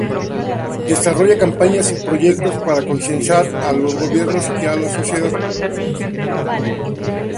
Desarrolla campañas y proyectos para concienciar a los gobiernos y a la sociedad.